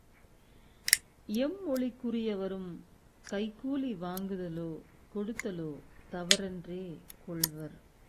எம்மொழிக்குரியவரும் கைக்கூலி வாங்குதலோ கொடுத்தலோ தவறென்றே கொள்வர்.